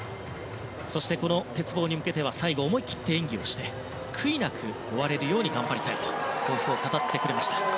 そして鉄棒に向けては最後思い切って演技をして悔いなく終われるように頑張りたいと抱負を語ってくれました。